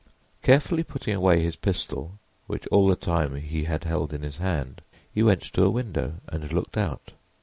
Carefully putting away his pistol, which all the time he had held in his hand, he went to a window and looked out.